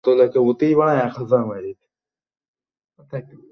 এর প্রাথমিক নির্মাণকাজ সফল হয়েছে এবং পরিকল্পিত প্রকল্পের কাজ চলছে।